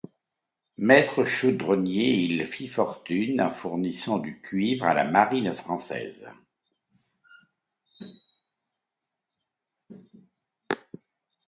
Maître chaudronnier, il fit fortune en fournissant du cuivre à la Marine française.